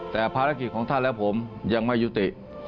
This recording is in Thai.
แต่ภารกิจของท่านและผมยังไม่ยุติ